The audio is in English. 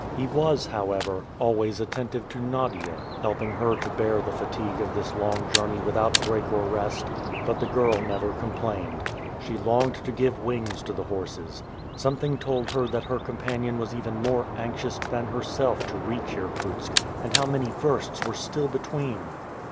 He was, however, always attentive to Nadia, helping her to bear the fatigue of this long journey without break or rest; but the girl never complained. She longed to give wings to the horses. Something told her that her companion was even more anxious than herself to reach Irkutsk; and how many versts were still between!